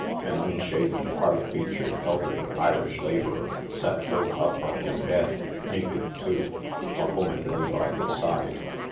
An unshaven, hard featured, elderly Irish laborer sat bolt upright in bed — naked, too. A woman lay by his side.